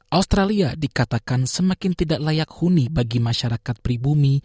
australia dikatakan semakin tidak layak huni bagi masyarakat pribumi